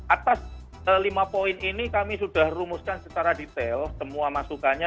atas lima poin ini kami sudah rumuskan secara detail semua masukannya